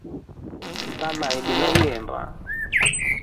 Utalale bila ihemba.